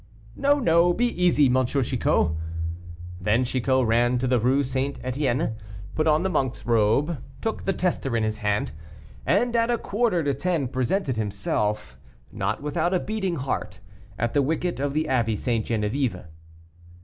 "No, no; be easy, M. Chicot." Then Chicot ran to the rue St. Etienne, put on the monk's robe, took the tester in his hand, and at a quarter to ten presented himself, not without a beating heart, at the wicket of the Abbey St. Geneviève.